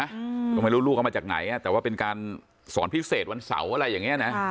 อืมก็ไม่รู้ลูกเอามาจากไหนอ่ะแต่ว่าเป็นการสอนพิเศษวันเสาร์อะไรอย่างเงี้นะ